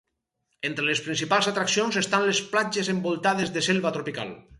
Entre les principals atraccions estan les platges envoltades de selva tropical.